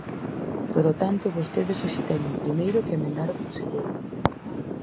Polo tanto, vostedes hoxe teñen, primeiro, que emendar o conselleiro.